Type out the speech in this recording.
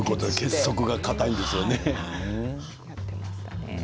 結束がかたいんですね。